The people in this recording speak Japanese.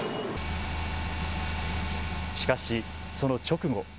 しかし、その直後。